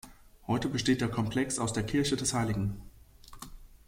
Heute besteht der Komplex aus der Kirche des Hl.